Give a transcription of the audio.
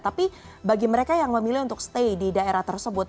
tapi bagi mereka yang memilih untuk stay di daerah tersebut